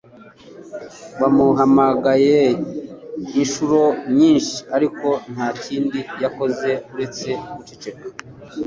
Bamuhamagaye inshuro nyinshi, ariko nta kindi yakoze uretse guceceka.